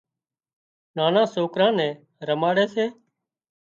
نانان سوڪران نين رماڙي سي